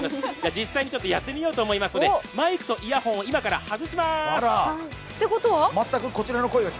実際にやってみようと思いますのでマイクとイヤホンを今から外しまーす。